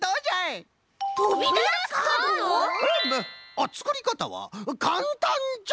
あっつくりかたはかんたんじゃ。